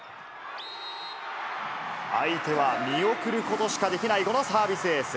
相手は見送ることしかできないこのサービスエース。